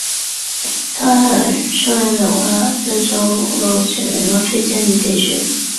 德拉瓦尔是位于美国阿肯色州洛根县的一个非建制地区。